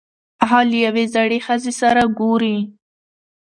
هغه له یوې زړې ښځې سره ګوري.